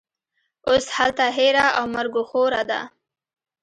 اوس هلته هېره او مرګوخوره ده